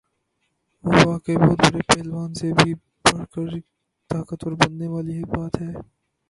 ہ واقعی بہت بڑے پہلوان سے بھی بڑھ کر طاقت ور بننے والی بات ہے۔